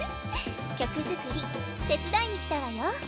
曲作り手伝いに来たわよ。